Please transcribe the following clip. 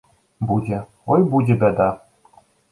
Будзе, ой, будзе бяда!